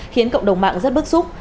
khiến cộng đồng mạng rất bức xúc